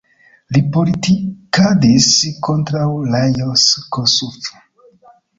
Li politikadis kontraŭ Lajos Kossuth.